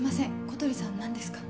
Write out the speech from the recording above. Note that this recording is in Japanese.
小鳥さん何ですか？